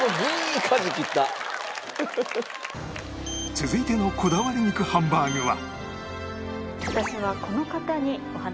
続いてのこだわり肉ハンバーグは